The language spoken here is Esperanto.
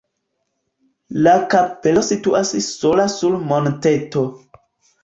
La kapelo situas sola sur monteto.